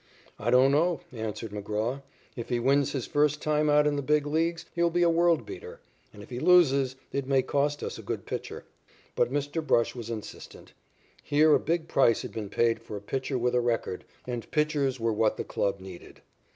"I don't know," answered McGraw. "If he wins his first time out in the Big Leagues, he will be a world beater, and, if he loses, it may cost us a good pitcher." But Mr. Brush was insistent. Here a big price had been paid for a pitcher with a record, and pitchers were what the club needed.